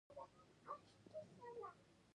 مرثیه نظمونه د نظم یو ډول دﺉ.